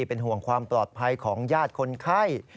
เป็นห่วงความปลอดภัยของญาติคนไข้